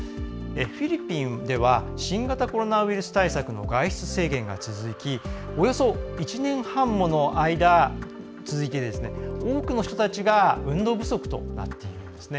フィリピンでは新型コロナウイルス対策の外出制限が続きおよそ１年半もの間続いて、多くの人たちが運動不足となっているんですね。